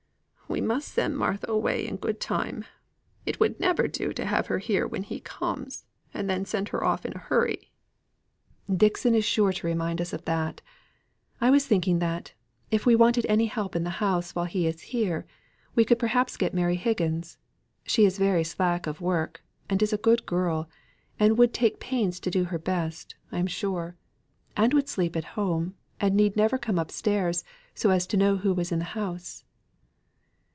"We must send Martha away in good time. It would never do to have her here when he comes, and then send her off in a hurry." "Dixon is sure to remind us of that. I was thinking that, if we wanted any help in the house while he is here, we could perhaps get Mary Higgins. She is very slack of work, and is a good girl, and would take pains to do her best, I am sure, and would sleep at home, and need never come upstairs, so as to know who is in the house."